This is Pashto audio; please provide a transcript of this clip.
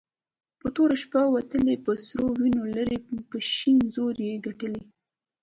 په توره شپه وتلې په سرو وينو لړلې په شين زور يي ګټلې